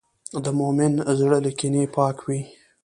د مؤمن زړه له کینې پاک وي.